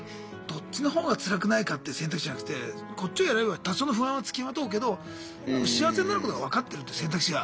どっちのほうがつらくないかって選択肢じゃなくてこっちを選べば多少の不安は付きまとうけど幸せになることが分かってるって選択肢が。